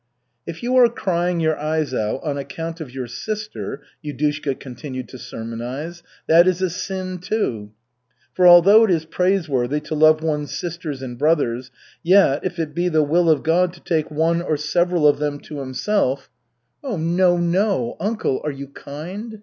"If you are crying your eyes out on account of your sister," Yudushka continued to sermonize, "that is a sin, too. For although it is praiseworthy to love one's sisters and brothers, yet, if it be the will of God to take one or several of them to Himself " "Oh, no, no! Uncle, are you kind?